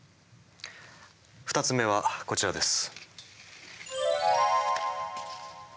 ２つ目はこちらです。